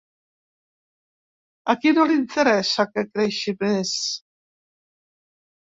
A qui no l’interessa que creixi més?